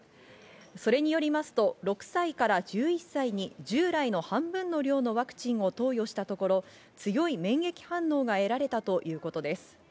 それによりますと６歳から１１歳に従来の半分の量のワクチンを投与したところ、強い免疫反応が得られたということです。